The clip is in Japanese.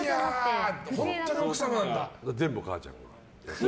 全部、お母ちゃん。